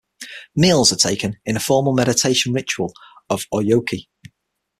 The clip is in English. Meals are taken in a formal meditation ritual of oryoki.